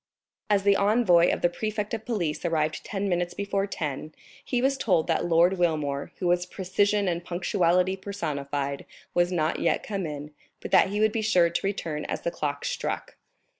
As the envoy of the prefect of police arrived ten minutes before ten, he was told that Lord Wilmore, who was precision and punctuality personified, was not yet come in, but that he would be sure to return as the clock struck.